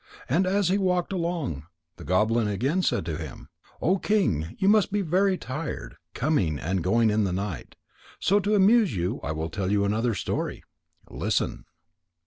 And as he walked along, the goblin said to him again: "O King, you must be very tired, coming and going in the night. So to amuse you I will tell another story. Listen."